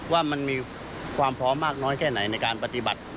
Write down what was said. ว่ามันมีความพร้อมมากน้อยแค่ไหนในการปฏิบัติ